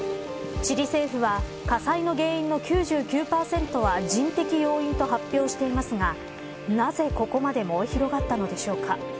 チリ政府は火災の原因の９９％は人的要因と発表していますがなぜ、ここまで燃え広がったのでしょうか。